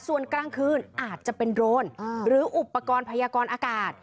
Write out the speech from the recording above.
ส่วนกลางคืนอาจจะเป็นโรนหรืออุปกรณ์พยากรอากาศ